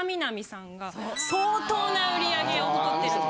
相当な売り上げを誇ってると。